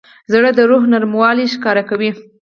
زړه د روح نرموالی ښکاره کوي.